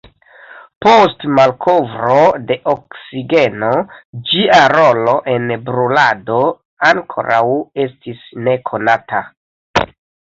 Post malkovro de oksigeno ĝia rolo en brulado ankoraŭ estis nekonata.